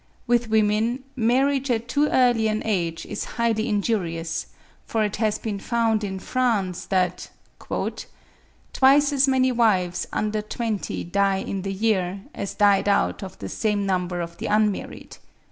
With women, marriage at too early an age is highly injurious; for it has been found in France that, "Twice as many wives under twenty die in the year, as died out of the same number of the unmarried."